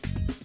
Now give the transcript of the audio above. xin cảm ơn